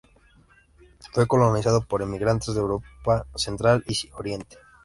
Fue colonizado por inmigrantes de Europa central y oriental.